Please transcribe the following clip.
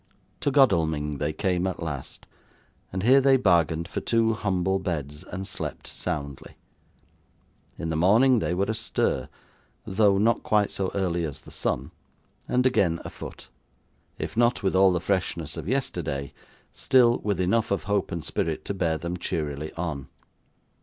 To Godalming they came at last, and here they bargained for two humble beds, and slept soundly. In the morning they were astir: though not quite so early as the sun: and again afoot; if not with all the freshness of yesterday, still, with enough of hope and spirit to bear them cheerily on.